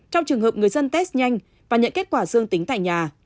trong trường hợp người dân test nhanh và nhận kết quả dương tính tại nhà